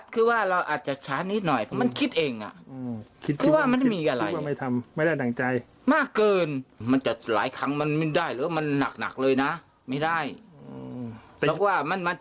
คือหลวงพ่อล้มลงไปเลยหรือครับ